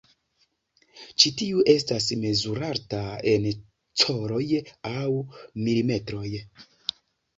Ĉi tiu estas mezurata en coloj aŭ milimetroj.